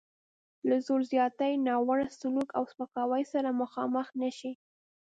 له زور زیاتي، ناوړه سلوک او سپکاوي سره مخامخ نه شي.